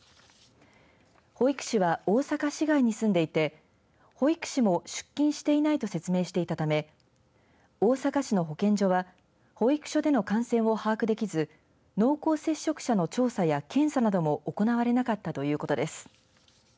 保育士は大阪市外に住んでいて保育士も出勤していないと説明していたため大阪市の保健所は保育所での感染を把握できず濃厚接触者の調査や検査なども行われなかったということです。